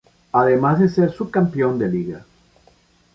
Además de ser subcampeón de liga